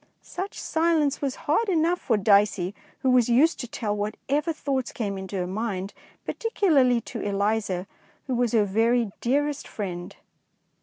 Such silence was hard enough for Dicey, who was used to tell what ever thoughts came into her mind, par ticularly to Eliza, who was her very "dearest friend."